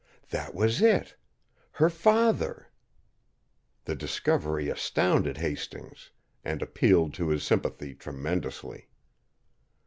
That was it! her father! The discovery astounded Hastings and appealed to his sympathy, tremendously.